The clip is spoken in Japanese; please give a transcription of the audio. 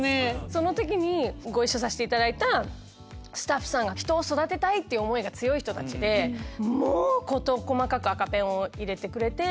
その時にご一緒させていただいたスタッフさんが人を育てたいっていう思いが強い人たちでもう事細かく赤ペンを入れてくれて。